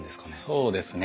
そうですね。